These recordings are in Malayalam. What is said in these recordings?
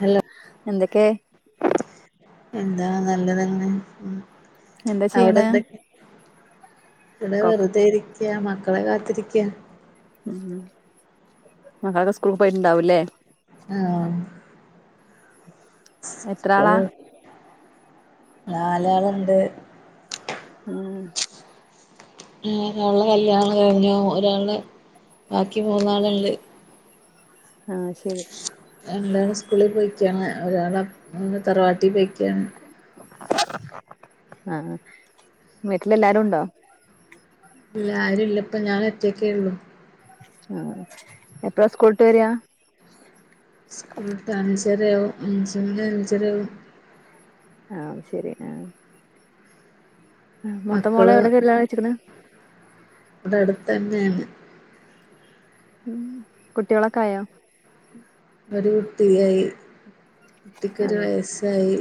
ഹലോ എന്തൊക്കെ? എന്താ നല്ലത് തന്നെ ഉം. എന്താ അവിടെ ചെയ്യണ്. എന്തൊക്കെ ഇവിടെ കൊപ് വെറുതെ ഇരിക്കാ മക്കളെ കാത്തിരിക്കുയാ. ഉം മക്കളെ ഒക്കെ സ്കൂൾ പോയിട്ടുണ്ടാവൂല്ലേ? ആഹ് എത്രാളാ. നാലാള്ണ്ട്. ഊം ഏഹ് [unintelligible] കല്യാണം കഴിഞ്ഞു ഒരാള് ബാക്കി മൂന്നാള്ണ്ട്. ഹാ ശരി രണ്ടാള് സ്കൂളി പൊയ്ക്ക്യാ, ഒ ഒരാള് അപ് [unintelligible] തറവാട്ടി പൊയ്ക്ക്യാ. ആഹ് വീട്ടില് എല്ലാരൂണ്ടോ? ഇല്ല ആരൂല്ല. ഇപ്പം ഞാൻ ഒറ്റക്കേള്ളൂ. ആഹ് എപ്ളാ സ്‌കൂള്ട്ട് വെരാ? സ്കൂൾട്ട് അഞ്ചര്യാവും. അഞ്ച് മണി അഞ്ചരാവും. ആഹ് ശരി ആഹ് ആഹ് മൂത്ത മോളെ മക്കള് എവിടെ കല്യാണം കയ്ച്ച്ക്ണ്? ഇവിടെ അടുത്ത് തന്നെയാണ് ഉം കുട്ടിയേളൊക്കെ ആയോ? ഒരു കുട്ടി ആയി കുട്ടിക്കൊരു അതെ വയസ്സായി.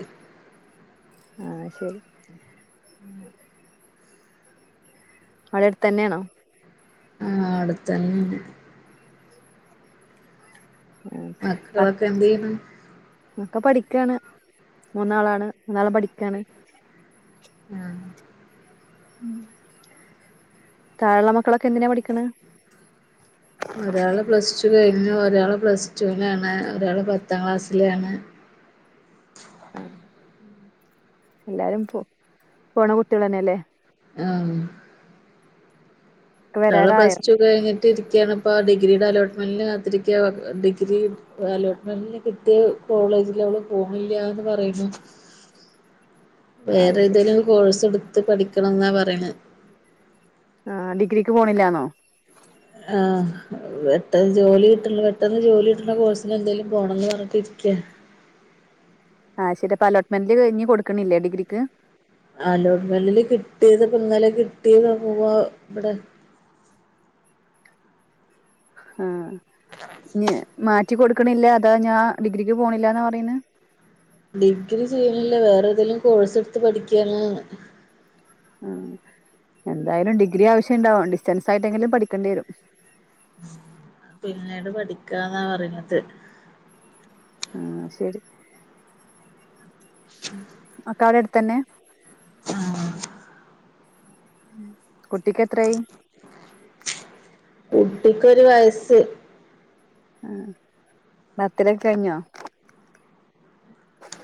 ആഹ് അഹ്ശരി ഉം അവ്ടെ എട്ത്തന്നെണോ? ആഹ് അടുത്തന്നേണ്. ആഹ് മക്കളൊക്കെ എന്ത്യയ്യ്ണ്? ഒക്ക പഠിക്കാണ്. മൂന്നാളാണ് മൂന്നാളും പഠിക്കാണ്. ആഹ്. ഉം താഴെള്ള മക്കളൊക്കെ എന്തിനാ പഠിക്ണ്? ഒരാള് പ്ലസ് ടു കഴിഞ്ഞ് ഒരാള് പ്ലസ് ടുവിനാണ്, ഒരാള് പത്താം ക്ലാസ്സിലാണ്. ആഹ് എല്ലാരും പോ പോണ കുട്ടിയേളന്നെ ലേ. ആ ഒക്കെ ഒരാള് വരാറായോ പ്ലസ് ടൂ കഴിഞ്ഞി ട്ടിരിക്കാണ് ഇപ്പ ആ ഡിഗ്രീടെ അലോട്ട്മെന്റിന് കാത്തിരിക്കുവാ ഡിഗ്രി അലോട്ട്മെന്റിന് കിട്ടിയ കോളേജില് അവള് പോണില്ല്യാന്ന് പറയുന്നു ആഹ് വേറേ ശരി ഏതേലും കോഴ്സെടുത്ത് പഠിക്കണോന്നാ പറയണെ ആഹ് ഡിഗ്രിക്ക് പോണില്ലാന്നോ ആഹ് പെട്ടെന്ന് ജോലി കിട്ടണ പെട്ടെന്ന് ജോലി കിട്ടണ കോഴ്സിനെന്തേലും പോണോന്ന് പറഞ്ഞിട്ട് ഇരി ക്ക്യാ ആഹ് ശെരി അപ്പ അലോട്ട്മെന്റില് ഇനി കൊടുക്കണില്ലേ ഡിഗ്രിക്ക് അലോട്ട്മെന്റില് കിട്ടീത് ഇപ്പോ ഇന്നലെ കിട്ടീതാ ഇപ്പൊ ഇവിടെ ആഹ് ഞാ മാറ്റി കൊടുക്കണില്ല അതോ ഞാൻ ഡിഗ്രിക്ക് പോണില്ലാന്നാ പറയണേ ഡിഗ്രി ചെയ്യണില്ല വേറേതേലും കോഴ്സെടുത്ത് പഠിക്കണോന്ന് ഉം എന്തായാലും ഡിഗ്രി ആവശ്യണ്ടാവും ഡിസ്റ്റൻസായിട്ടെങ്കിലും പഠിക്കേണ്ടി വരും എനിക്കതാണ് അറിയില്ലാത്തത് ആഹ് ശരി അക്കാടെ അടുത്ത് തന്നെയാ ആഹ് ഉം കുട്ടിക്ക് എത്രയായി കുട്ടിക്ക് ഒരു വയസ്സ് ആ ബർത്ത്ഡേയൊക്കെ കഴിഞ്ഞോ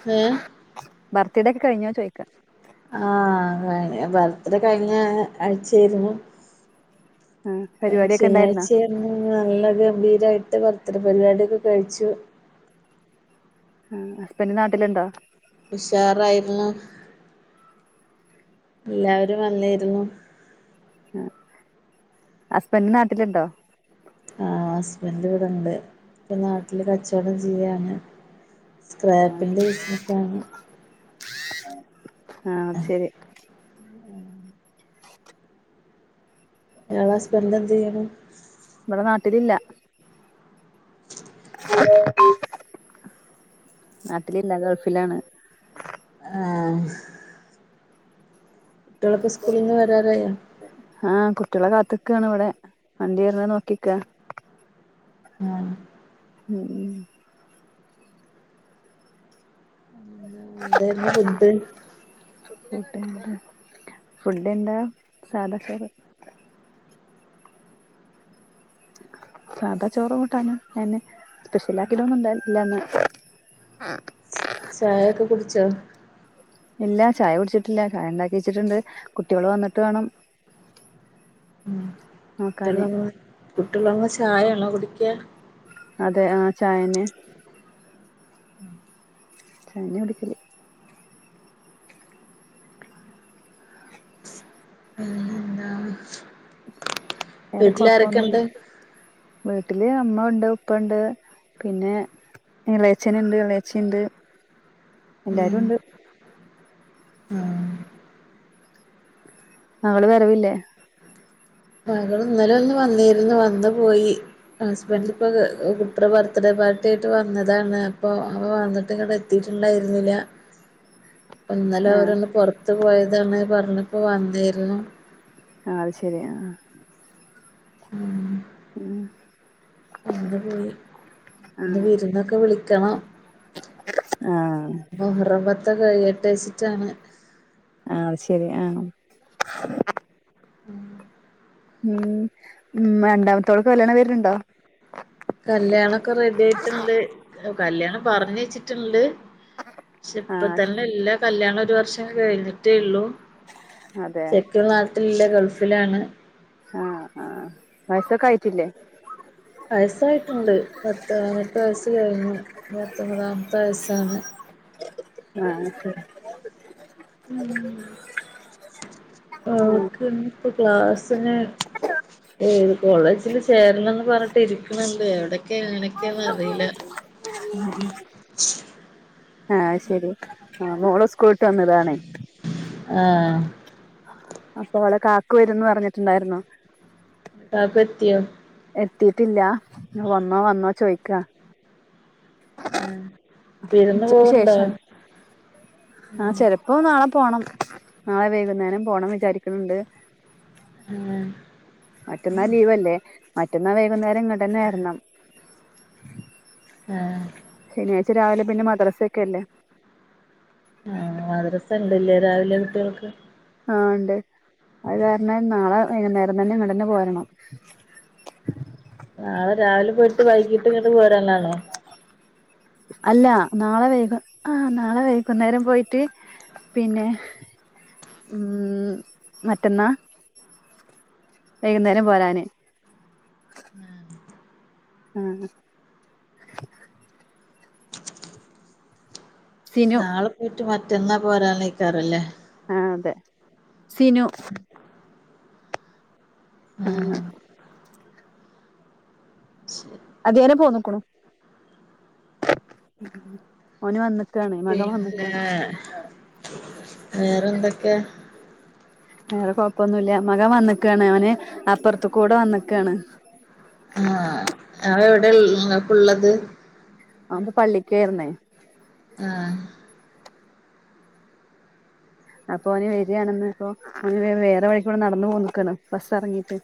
ഏ ബർത്ത്ഡേയൊക്കെ കഴിഞ്ഞോ ചോയ്ക്കാ ആ ബർത്ത്ഡേ കഴിഞ്ഞ ആഴ്ച്ചേര്ന്നു. ആ പരിപാടിയൊക്കെ ഉണ്ടായിരുന്നോ ശെന്യാഴ്ച്ചേര്ന്നു നല്ല ഗംഭീരായിട്ട് ബർ ത്ത്ഡ പരിപാടിഒക്കെ കഴിച്ചു. ആ ഹസ്ബന്റ് നാട്ടില്ണ്ടോ? ഉഷാറായിര്ന്നു. എല്ലാവരും വന്നീര്ന്നു. ആ ഹസ്ബന്റ് നാട്ടില്ണ്ടോ? ആ ഹസ്ബന്റ് ഇവടെണ്ട് ഇപ്പ നാട്ടില് കച്ചോടം ചീയാണ്. ആ സ്ക്രാപ്പിന്റെ ശരി ബിസ്നസാണ്. ആ ശെരി. ങ്ങളെ ഹസ്ബന്റ് എന്തീയ്ണു? ഇമവടെ നാട്ടിലില്ല. നാട്ടിലില്ല ഗൾഫിലാണ്. ആ കുട്ടികളൊക്കെ സ്കൂളിൽ നിന്ന് വരാറായോ ആ കുട്ട്യാളെ കാത്ത്ക്കാണ് ഇവടെ വണ്ടി വെര്ണത് നോക്കിക്കാ. ആ മ് എന്തേര്ന്നു ഫുഡ്ഡ്? ഫുഡെന്താ സാധാ ചോറ്. സാതാ ചോറ കൂട്ടാനുംഅയന്നെ സ്പെഷ്യലാക്കിടോന്നുണ്ടാകീ ട്ടില്ലന്ന് ആ ചായെക്കെ കുടിച്ചോ? ഇല്ല ചായ കുട്ച്ചിട്ടില്ല. ചായണ്ടാക്കി വെച്ച്ട്ട്ടണ്ട് കുട്ടികള് വന്ന്ട്ട് വേണം. ഉ കുട്ടള് നോക്കാന് വന്ന് കുട്ടള് വന്ന് ചായയാണോ കുടിക്കാ അതെ ആ ചായന് കഞ്ഞി കുടിക്കല്. പിന്നെന്താണ് വേറെ കൊഴപ്പൊന്നുല്ല വീട്ടിലാരെക്കെണ്ട്? വീട്ടില് അമ്മ ഉണ്ട് ഉപ്പുണ്ട് പിന്നെ ഇളയച്ചന ണ്ട് ഇളയച്ചി ണ്ട് ഉം. എല്ലാരുണ്ട് ആ മകള് വരവില്ലേ മകൾ ഇന്നല ഒന്ന് വന്നിരുന്നു വന്ന് പോയി ഹസ്ബൻഡ ഇപ്പൊ കുട്ടുടെ ബർത്ത് ഡേ പാർട്ടി ആയിട്ട് വന്നതാണ് അപ്പൊ അവ വന്നിട്ട് ഇങ്ങടെ എത്തി ണ്ടായിരുന്നില്ല [unintelligible] എന്നന്നാലും ആ അവരൊന്ന് പുറത്തു പോയതാണ് പറഞ്ഞപ്പോ വന്നായിരുന്നു ആ ശരി മ് മ് അന്ന് പോയി അന്ന് വിരുന്നൊക്കെ വിളിക്കണം ആ ത്ത കഴുകട്ട് വെച്ചിട്ടാണ് ആ ശെരി ആ മ് മ് മ് രണ്ടാമത്തോടെക്ക കല്യാണ പേരുണ്ടോ കല്യാണൊക്കെ റെഡി ആയിട്ടുണ്ട് കല്യാണം പറഞ്ഞ വെച്ചിട്ടുണ്ട് പക്ഷെ ആ ഇപ്പ ശരി തന്നെ എല്ലാ കല്യാണം ഒരു വർഷം കഴിഞ്ഞിട്ടേള്ളൂ അതെ ചെക്കൻ നാട്ടിലല്ല ഗൾഫിലാണ് ആ ആ വയസൊക്കെ ആയിട്ടില്ലേ വയസ്സായിട്ടുണ്ട് പത്ത്പതിനെട്ട് വയസ്സ് കഴിഞ്ഞു പത്തൊമ്പതാമത്തെ വയസ്സാണ് ആ ശരി ഉം ഓക്കിന്ന് പ്പ ക്ലാസ്ന് ഏ ഇത് കോളേജില് ചേരണന്ന് പറഞ്ഞിട്ട് ഇരിക്കണെണ്ട് എവിടെ [unintelligible] ഇം ഇം ആ ശരി ആ മോള് സ്കൂള്ട്ട് വന്നതാണേ ആ അപ്പൊ അവടെ കാക്ക വരുന്ന് പറഞ്ഞിട്ടുണ്ടായിരുന്നൊ കാക്കു എത്തിയോ എത്തിയിട്ടില്ല വന്നോ വന്നോ ചോയ്ക്ക വിരുന്ന് ഉച്ചക്ക് പോവ്ണ്ടോ ശേഷം ആ ചെലപ്പോ നാള പോണം നാളെ വൈകുന്നേരം പോണം വിചാരിക്കണിണ്ട് ആ മറ്റന്നാ ലീവല്ലേ മറ്റന്നാ വൈകുന്നേരം ഇങ്ങട്ടന്നെ വരണം ആ [unintelligible] രാവിലെ പിന്നെ മദ്രസൊക്കെ അല്ലേ ആ മദരസ എണ്ടല്ലേ രാവിലെ കുട്ടികൾക്ക് ആ ഇണ്ട് അത് കാരണം നാളെ വെയ്കുന്നേരം തന്നെ ഇങ്ങട് തന്നെ പോരണം [unintelligible] നാളെ രാവിലെ പോയിട്ട് വൈകിട്ട് ഇങ്ങട്ട് പോരാനാണോ അല്ല നാളെ വൈക ആ നാളെ വൈകുന്നേരം പോയിട്ട് പിന്നെ ഇം മറ്റന്നാ വൈകുന്നേരം പോരാന് [unintelligible] ആ സിനു നാളെ പോയിട്ട് മറ്റന്നാ പോരാന്നിക്കാറല്ലേ ആ അതെ സിനു ആ ആഹ് ശ് അതേനേ പോന്നേക്കണു ഓന് വന്ന് പിന്നെ വേറെന്തൊക്കയാ വേറെ കൊഴപ്പൊന്നുല്ല മക വന്നക്കാണ് അവന് അപ്പുറത്തു കൂടെ വന്നക്കാണ് [unintelligible] നിങ്ങക്കുള്ളത് അപ്പൊ പള്ളിക്കേയിരുന്നേ ആ അപ്പൊ അവന് വരികയാണെന്ന് അപ്പൊ അവന് [unintelligible] വേറെ വഴികുടെ നടന്നു പോന്നിക്കണ് ബസ് ഇറങ്ങിയിട്ട്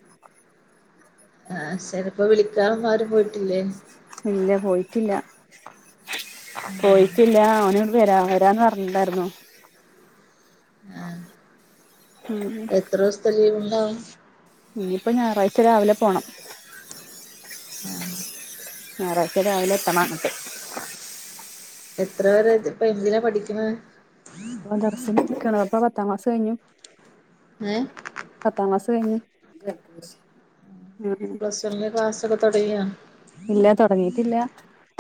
ആ ചിലപ്പോ വിളിക്കാൻ ഒന്ന്‌ ആരും പോയിട്ടില്ലേ ഇല്ല പോയിട്ടില്ല പോയിട്ടില്ല അവന് വെരാ വെരാന്ന് പറഞ്ഞിണ്ടായിരുന്ന് ആ എത്ര ദിവസത്തെ ലീവ് ഇണ്ടാവും ഇനിയിപ്പൊ ഞായറാഴ്ച രാവിലെ പോണം ഞായറാഴ്ച്ച രാവിലെ എത്തണഅങ്ങട്ട് എത്ര പേരെ ഇപ്പൊ എന്തിനാ പഠിക്കണത് മദ്രസ നിക്കണപ്പ പത്താം ക്ലാസ്സ്‌ കഴിഞ്ഞു ഏഹ് പത്താം ക്ലാസ്സ്‌ കഴിഞ്ഞു [unintelligible] പ്ലസ് വൺന്റെ ക്ലാസ്സൊക്കെ തൊടങ്ങിയ ഇല്ല തൊടങ്ങീട്ടില്ല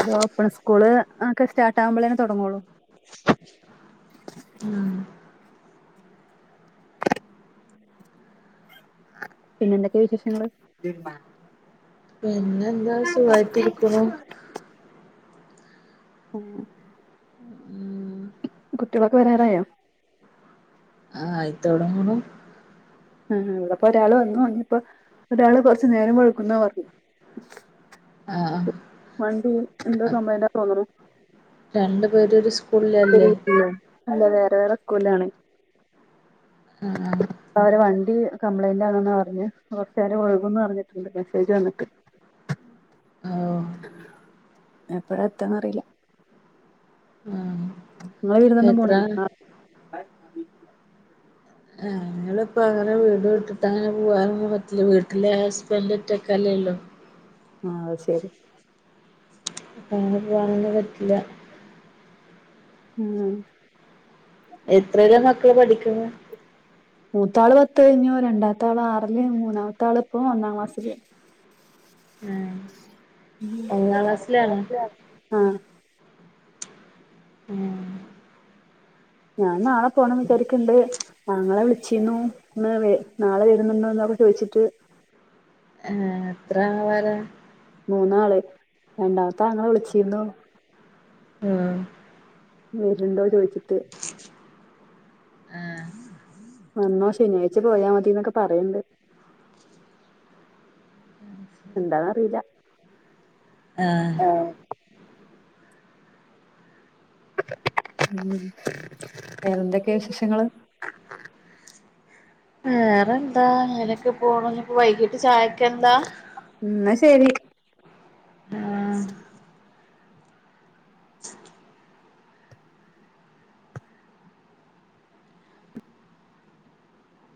ഇത് ഓപ്പൺ സ്കൂള് ഒക്കെ സ്റ്റാർട്ട് ആകുമ്പോളനെ തുടങ്ങോള്ളൂ ആ പിന്നെ എന്തൊക്കെയാ വിശേഷങ്ങള് പിന്നെ എന്താ സുഖായിട്ടിരിക്കുന്നു. ഏഹ് ഉം കുട്ടികളൊക്കെ വരാറായോ? ആയി തുടങ്ങന്ന്. ആഹ് ഇവിടെ ഇപ്പൊ ഒരാള് വന്നു, ഇനിപ്പോ ഒരാള് കൊറച്ചുനേരം വെളുക്കുന്നേ വന്നു. ആഹ് കംപ്ലൈന്റാ തോന്നുണു രണ്ടുപേരും ഒരു. പിള്ളാരല്ലേ അല്ല വേറെ വേറെ സ്കൂലാണ്. ആഹ് ഈ കംപ്ലയിന്റ് ആണെന്ന് പറഞ്ഞ് കുറച്ചു നേരം വൈകുന്ന് പറഞ്ഞിട്ടുണ്ട്, മെസ്സേജ് വന്നിട്ട്. ഓഹ് എപ്പഴാ എത്താന്ന് അറിയില്ല. ആഹ് നിങ്ങള് വിരുന്നയെന്നും എത്ര പോണില്ല. ആഹ് ഞങ്ങള് ഇപ്പൊ വേറെ വീട് വിട്ടിട്ടാ അങ്ങനെ പോകവാനൊന്നും പറ്റില്ല, വീട്ടിലെ ഹസ്ബൻഡ് ഒറ്റക്കല്ലേയുള്ളൂ. ആഹ് ശരി അപ്പൊ അങ്ങനെ പോക്കാനൊന്നു പറ്റില്ല. ഉം എത്രയിലാ മക്കളെ പഠിക്കുന്നേ? മൂത്താള് പത്ത് കഴിഞ്ഞു രണ്ടാമത്തെ ആള് ആറില് മൂന്നാമത്തെ ആള് ഇപ്പ ഒന്നാം ക്ലാസ്സില്. ആഹ് ഒന്നാം ക്ലാസ്സിലാണോ [unintelligible] ആഹ് ആഹ് ഞാൻ നാളെ പോണം വിചാരിക്കണ്ട്, ആങ്ങള് വിളിച്ചിന്ന് ഇന്ന് വെ നാളെ വരുന്നുണ്ടേന്ന്. ഒക്കെ ചോദിച്ചിട്ട്. ഏഹ് എത്രപേരാ മൂന്നാള് രണ്ടാമത്തെ ആങ്ങള് വിളിച്ചിയിരുന്നു. ആഹ് വര്ണ്ടോ ചോയിച്ചിട്ട് ആഹ് വന്നോ. ശനിയാഴ്ച്ച പോയാ മതീന്നൊക്കെ പറയ്ണ്ട്. എന്താണ റീല്ല. ആഹ് ഉം. വേറെന്തൊക്കെ വിശേഷങ്ങള്? വേറെന്താ. അങ്ങനെയൊക്കെ പോണു. ഇനിപ്പ വൈകിട്ട് ചായക്കെന്താ? തെരി. ആഹ്